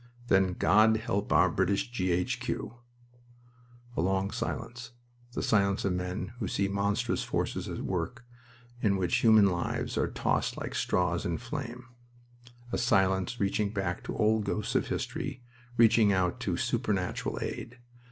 "Then God help our British G.H.Q.!" A long silence. The silence of men who see monstrous forces at work, in which human lives are tossed like straws in flame. A silence reaching back to old ghosts of history, reaching out to supernatural aid.